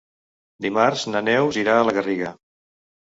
Dimarts na Neus irà a la Garriga.